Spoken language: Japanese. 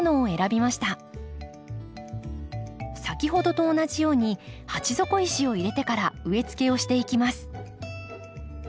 先ほどと同じように鉢底石を入れてから植えつけをしていきます。